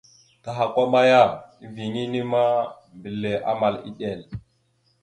Tahakwa maya, eviyeŋa inne ma, mbile amal iɗel.